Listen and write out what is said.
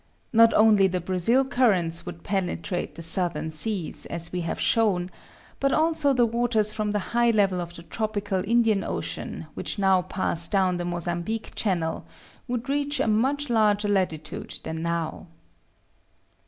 Not only the Brazil currents would penetrate the southern seas, as we have shown, but also the waters from the high level of the tropical Indian Ocean which now pass down the Mozambique Channel would reach a much higher latitude than now.